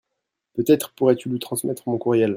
peut-être pourrais-tu lui transmettre mon courriel.